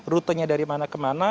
rutenya dari mana ke mana